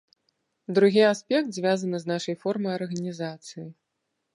Другі аспект звязаны з нашай формай арганізацыі.